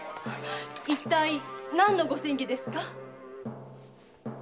一体何のご詮議ですか？